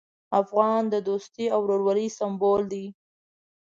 افغان د دوستي او ورورولۍ سمبول دی.